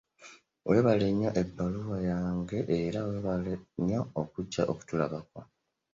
Weebale nnyo ebbaluwa yange era weebale nnyo okujja okutulabako.